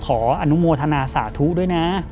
ขออนุโมทนาสาธุด้วยนะ